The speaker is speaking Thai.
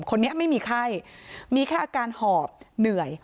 คนนี้ไม่มีไข้มีแค่อาการหอบเหนื่อย